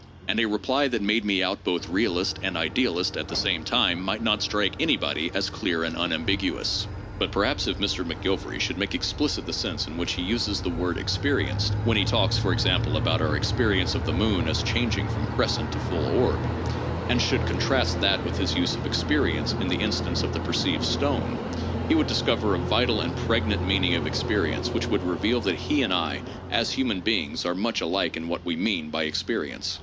And a reply that made me out both realist and idealist at the same time might not strike anybody as "clear and unambiguous." But perhaps if Mr. McGilvary should make ex plicit the sense in which he uses the word "experienced" when he talks, for example, about our experience of the moon as changing from crescent to full orb, and should contrast that with his use of "experience" in the instance of the perceived stone, he would dis cover a vital and pregnant meaning of experience which would reveal that he and I as human beings are much alike in what we mean by experience.